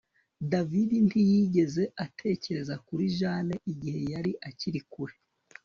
David ntiyigeze atekereza kuri Jane igihe yari akiri kure